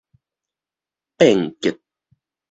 變革